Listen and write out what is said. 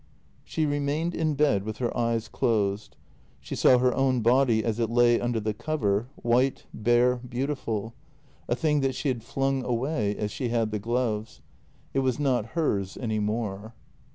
She remained in bed with her eyes closed. She saw her own body as it lay under the cover, white, bare, beautiful — a thing JENNY 291 that she had flung away as she had the gloves. It was not hers any more.